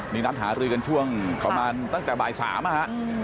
นี่น้ำหารือกันช่วงค่ะประมาณตั้งแต่บ่ายสามนะฮะอืม